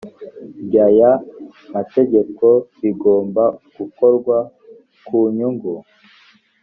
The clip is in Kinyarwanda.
ry aya mategeko bigomba gukorwa ku nyungu